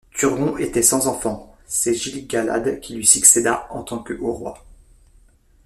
Turgon étant sans enfants, c'est Gil-galad qui lui succéda en tant que Haut Roi.